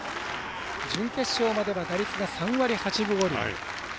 準決勝までの打率は３割８分５厘。